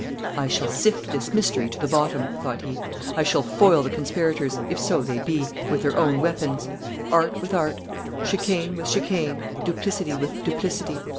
"I shall sift this mystery to the bottom," thought he. "I shall foil the conspirators, if so they be, with their own weapons; art with art; chicane with chicane; duplicity with duplicity."